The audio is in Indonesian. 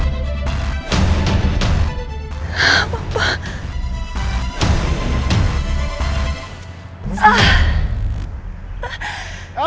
di mana ya